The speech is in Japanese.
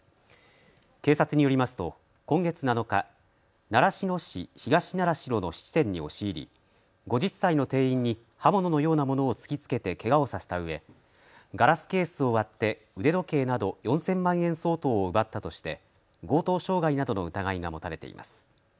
警察によりますと今月７日、習志野市東習志野の質店に押し入り、５０歳の店員に刃物のようなものを突きつけてけがをさせたうえ、ガラスケースを割って腕時計など４０００万円相当を奪ったとして強盗傷害などの疑いが持たれています。